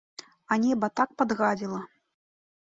А неба так падгадзіла.